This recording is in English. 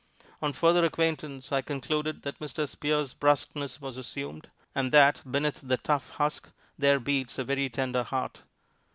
On further acquaintance I concluded that Mr. Spear's bruskness was assumed, and that beneath the tough husk there beats a very tender heart.